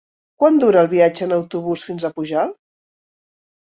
Quant dura el viatge en autobús fins a Pujalt?